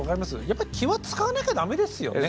やっぱり気は遣わなきゃダメですよね。